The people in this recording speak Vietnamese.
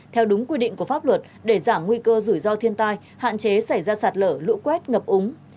theo đúng quy định của pháp luật để giảm nguy cơ rủi ro thiên tai hạn chế xảy ra sạt lở lũ quét ngập úng